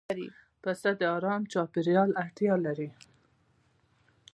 پسه د آرام چاپېریال اړتیا لري.